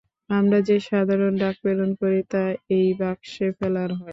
আমরা যে সাধারণ ডাক প্রেরণ করি, তা এই বাক্সে ফেলা হয়।